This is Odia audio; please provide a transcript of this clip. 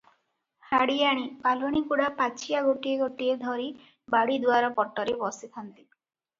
ହାଡିଆଣୀ, ପାଲୁଣୀଗୁଡା ପାଛିଆ ଗୋଟିଏ ଗୋଟିଏ ଧରି ବାଡ଼ି ଦୁଆର ପଟରେ ବସିଥାନ୍ତି ।